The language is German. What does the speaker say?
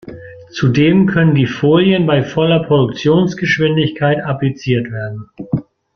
Zudem können die Folien bei voller Produktionsgeschwindigkeit appliziert werden.